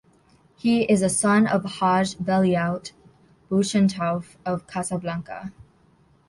He is a son of Hajj Belyout Bouchentouf, of Casablanca.